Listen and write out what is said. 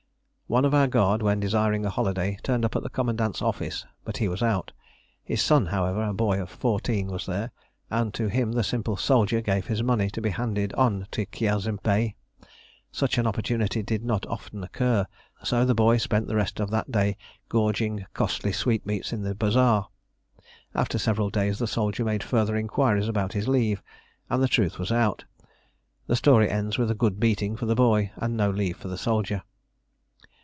One of our guard, when desiring a holiday, turned up at the commandant's office, but he was out. His son, however, a boy of fourteen, was there, and to him the simple soldier gave his money to be handed on to Kiazim Bey. Such an opportunity did not often occur; so the boy spent the rest of that day gorging costly sweetmeats in the bazaar. After several days the soldier made further inquiries about his leave, and the truth was out. The story ends with a good beating for the boy and no leave for the soldier.